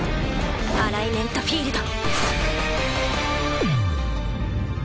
アライメントフィールド！